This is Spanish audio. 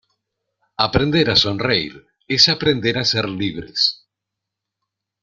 Aprender a sonreír es aprender a ser libres.